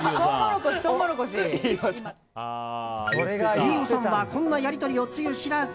飯尾さんはこんなやり取りをつゆ知らず。